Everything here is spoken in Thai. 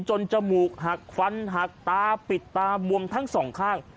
จมูกหักควันหักตาปิดตาบวมทั้งสองข้าง